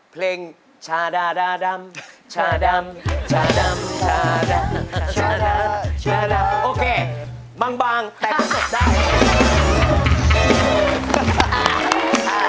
เพลงชาด่าด่าดำชาดำชาดำชาดำชาดำ